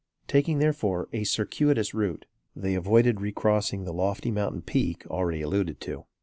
Taking therefore a circuitous route, they avoided recrossing the lofty mountain peak already alluded to.